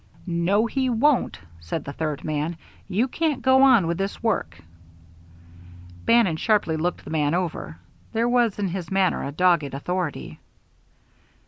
"No, he won't," said the third man. "You can't go on with this work." Bannon sharply looked the man over. There was in his manner a dogged authority.